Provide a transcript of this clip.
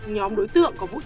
nhóm đối tượng của quốc gia